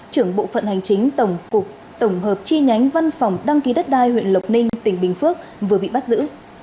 trưởng bộ phận hành chính tổng hợp chi nhánh văn phòng đăng ký đất đai huyện lộc ninh tỉnh bình phước vừa bị bắt giữ